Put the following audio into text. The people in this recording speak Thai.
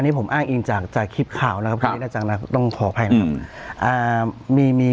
อันนี้ผมอ้างอิงจากคลิปข่าวนะครับท่านนี้น่าจังนะครับต้องขออภัยนะครับ